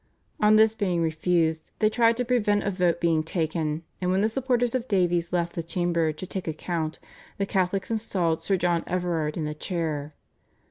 On this being refused, they tried to prevent a vote being taken, and when the supporters of Davies left the chamber to take a count, the Catholics installed Sir John Everard in the chair.